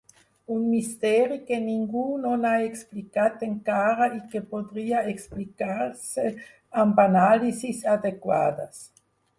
Un misteri que ningú no ha explicat encara i que podria explicar-se amb anàlisis adequades.